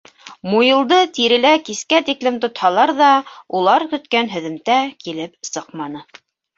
Муйылды тирелә кискә тиклем тотһалар ҙа, улар көткән һөҙөмтә килеп сыҡманы.